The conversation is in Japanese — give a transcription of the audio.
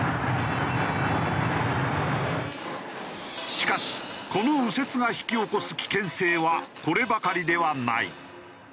しかしこの右折が引き起こす危険性はこればかりではない。